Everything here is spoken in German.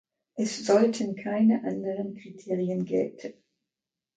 Es sollten keine anderen Kriterien gelten.